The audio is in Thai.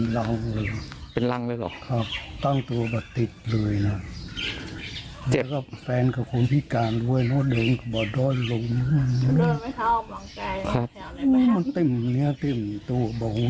ด้านขวามีด้านเดี่ยว